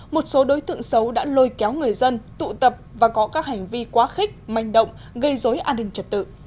một số đối tượng xấu đã lôi kéo người dân tụ tập và có các hành vi quá khích manh động gây dối an ninh trật tự